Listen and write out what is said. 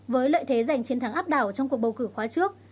với lợi thế giành chiến thắng áp đảo trong cuộc bầu cử khóa trước